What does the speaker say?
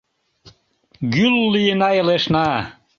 Гӱл лийына элешна.